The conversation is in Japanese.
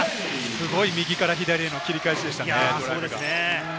すごい右から左への切り返しでしたね。